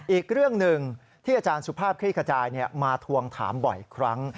อีกเรื่องหนึ่งที่อาจารย์สุภาพคลี่ขจายมาทวงถามบ่อยครั้ง